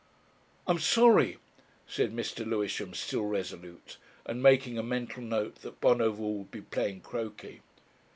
"I'm sorry," said Mr. Lewisham, still resolute, and making a mental note that Bonover would be playing croquet.